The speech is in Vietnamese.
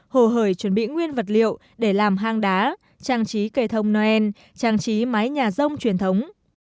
hồ hởi chuẩn bị nguyên vật liệu để làm hang đá trang trí cây thông noel trang trí mái nhà rông truyền thống